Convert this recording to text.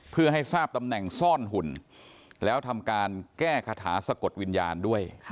เพื่อให้ทราบตำแหน่งซ่อนหุ่นแล้วทำการแก้คาถาสะกดวิญญาณด้วย